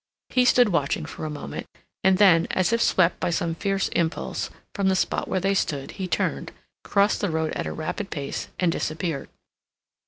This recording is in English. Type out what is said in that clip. He stood watching for a moment, and then, as if swept by some fierce impulse, from the spot where they had stood, he turned, crossed the road at a rapid pace, and disappeared.